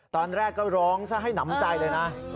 ตอนแรกก็ร้องซะให้หนำใจเลยนะ